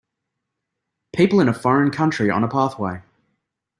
People in a foreign country on a pathway.